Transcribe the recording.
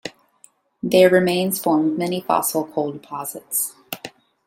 Their remains formed many fossil coal deposits.